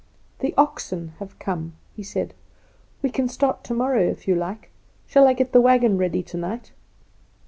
"The oxen have come," he said; "we can start tomorrow if you like. Shall I get the wagon ready tonight?"